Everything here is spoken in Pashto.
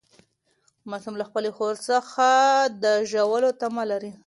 معصوم له خپلې خور څخه د ژاولو تمه لري.